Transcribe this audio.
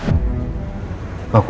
itu tanpa cinta